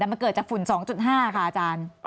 มันเกิดจากฝุ่น๒๕ค่ะอาจารย์